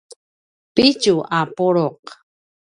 pitju a pulu’